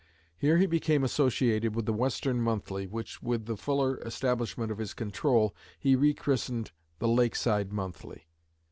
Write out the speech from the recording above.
Here he became associated with "The Western Monthly," which, with the fuller establishment of his control, he rechristened "The Lakeside Monthly."